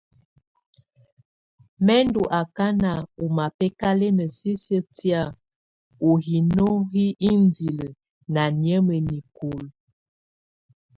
Mɛ̀ ndɔ̀ akana ɔ́ mabɛkalɛna sisiǝ́ tɛ̀á ú hino hi indili ná nɛ̀ámɛa nikulǝ.